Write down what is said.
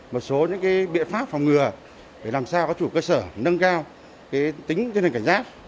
một số biện pháp phòng ngừa để làm sao các chủ cơ sở nâng cao tính tinh thần cảnh giác